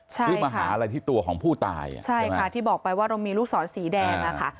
ใช่หรือมาหาอะไรที่ตัวของผู้ตายอ่ะใช่ค่ะที่บอกไปว่าเรามีลูกศรสีแดงอะค่ะ